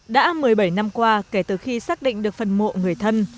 đã một mươi bảy năm qua kể từ khi xác định được phần mộ người thân